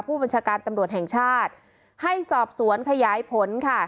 ผู้บัญชาการตำรวจแห่งชาติให้สอบสวนขยายผลค่ะ